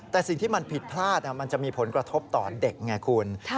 แต่สิ่งที่มันผิดพลาดมันจะมีผลกระทบต่อเด็กไงคุณ